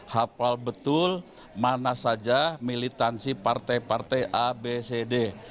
hafal betul mana saja militansi partai partai abcd